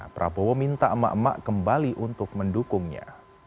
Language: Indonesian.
prabowo minta emak emak kembali untuk mendukungnya